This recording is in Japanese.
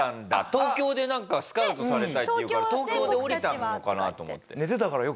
東京でなんかスカウトされたいっていうから東京で降りたのかなと思って。